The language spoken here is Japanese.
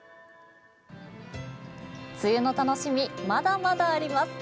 梅雨の楽しみ、まだまだあります。